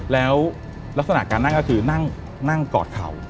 แล้วลักษณะการนั่งก็คือนั่งกอดเข่า